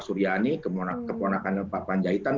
kemudian ada adik irma suryani keponakan empat panjahitan